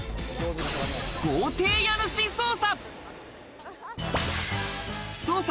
豪邸家主捜査！